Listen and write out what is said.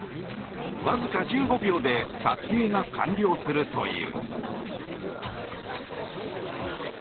わずか１５秒で撮影が完了するという。